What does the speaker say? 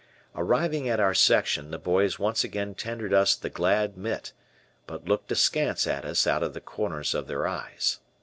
Arriving at our section, the boys once again tendered us the glad mitt, but looked askance at us out of the corners of their eyes.